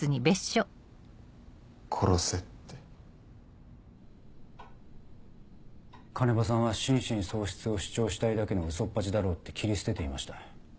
「殺せ」って鐘場さんは心神喪失を主張したいだけのウソっぱちだろうって切り捨てていました。